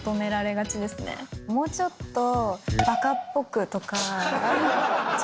「もうちょっと」。とか。